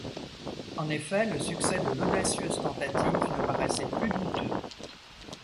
En effet, le succès de l’audacieuse tentative ne paraissait plus douteux.